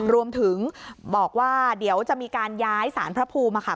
รวมถึงบอกว่าเดี๋ยวจะมีการย้ายสารพระภูมิ